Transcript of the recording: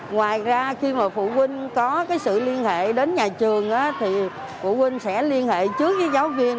ngoài ra khi mà phụ huynh có cái sự liên hệ đến nhà trường thì phụ huynh sẽ liên hệ trước với giáo viên